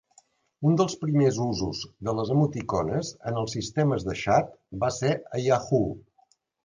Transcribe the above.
Un dels primers usos de les emoticones en els sistemes de xat va ser a Yahoo!